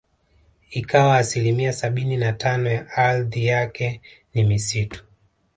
Ikiwa asilimia sabini na tano ya ardhi yake ni misitu